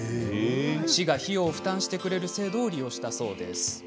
市が費用を負担してくれる制度を利用したそうです。